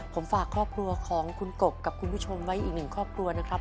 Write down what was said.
ผมฝากครอบครัวของคุณกบกับคุณผู้ชมไว้อีกหนึ่งครอบครัวนะครับ